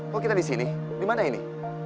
kok kita di sini dimana ini